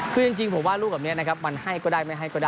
คือจริงผมว่าลูกแบบนี้นะครับมันให้ก็ได้ไม่ให้ก็ได้